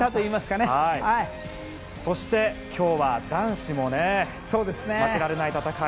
今日は男子も負けられない戦い